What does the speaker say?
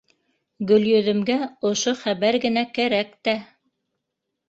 Гөлйөҙөмгә ошо хәбәр генә кәрәк тә.